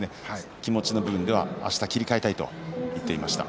気持ちは、あしたに切り替えたいと言っていました。